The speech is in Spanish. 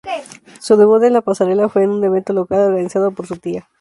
Su debut en la pasarela fue en un evento local, organizado por su tía.